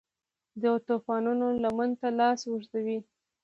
د توپانونو لمن ته لاس اوږدوي